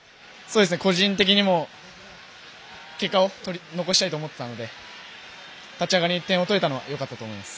個人的にも結果を残したいと思っていたので立ち上がりに１点を取れたのはよかったと思います。